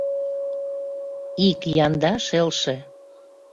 Ик янда шелше.